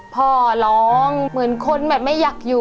พ่อร้องเหมือนคนแบบไม่อยากอยู่